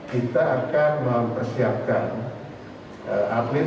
kita akan mempersiapkan atlet dan prajurit